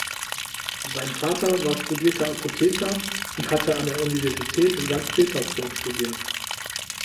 Sein Vater war studierter Apotheker und hatte an der Universität Sankt Petersburg studiert.